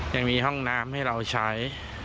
ยังมีห้องน้ำให้เราใช้